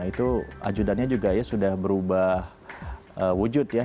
itu ajudannya juga ya sudah berubah wujud ya